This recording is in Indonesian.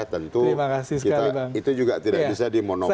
tentu itu juga tidak bisa dimonopoli